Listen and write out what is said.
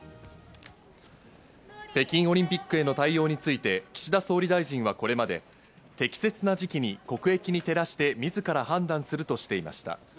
北京オリンピックへの対応について岸田総理大臣はこれまで適切な時期に国益に照らしてみずから判断するとしていました。